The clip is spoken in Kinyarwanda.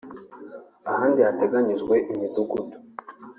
ahandi hateganyijwe imidugudu